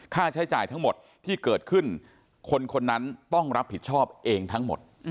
ค่าใช้จ่ายทั้งหมดที่เกิดขึ้นคนคนนั้นต้องรับผิดชอบเองทั้งหมด